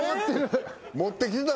持ってきてたんや。